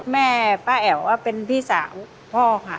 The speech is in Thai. แม่ป้าแอ๋วเป็นพี่สาวพ่อค่ะ